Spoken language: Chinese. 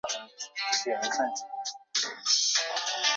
后来甘地访问比哈尔邦。